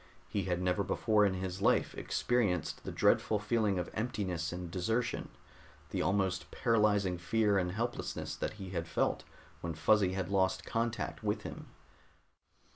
He had never before in his life experienced the dreadful feeling of emptiness and desertion, the almost paralyzing fear and helplessness that he had felt when Fuzzy had lost contact with him.